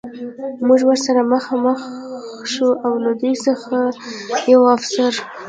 موږ ورسره مخ په مخ شو، له دوی څخه یوه افسر.